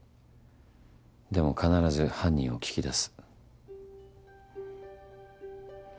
でも必ず犯人を聞き出す。